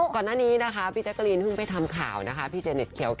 ก่อนหน้านี้พี่แจ๊กรีนเพิ่งจะไปทำข่าวแจญเจแนนทเขียว